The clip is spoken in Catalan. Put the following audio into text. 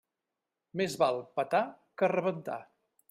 Més val petar que rebentar.